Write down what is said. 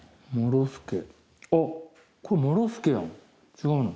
違うの？